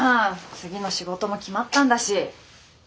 次の仕事も決まったんだし。